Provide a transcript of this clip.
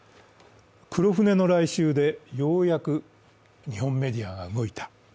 黒船の来襲でようやく日本メディアが動いた。